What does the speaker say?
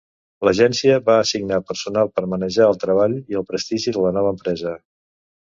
L'agència va assignar personal per manejar el treball i el prestigi de la nova empresa.